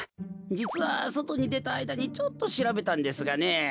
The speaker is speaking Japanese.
じつはそとにでたあいだにちょっとしらべたんですがね。